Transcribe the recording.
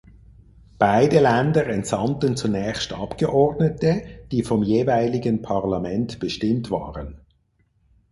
Beide Länder entsandten zunächst Abgeordnete, die vom jeweiligen Parlament bestimmt waren.